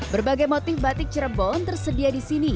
berbagai motif batik cirebon tersedia di sini